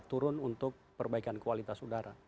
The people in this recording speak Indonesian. turun untuk perbaikan kualitas udara